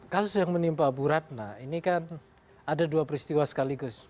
kasus yang menimpa bu ratna ini kan ada dua peristiwa sekaligus